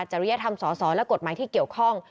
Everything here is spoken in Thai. จริยธรรมสสและกฎหมายที่เกี่ยวข้อง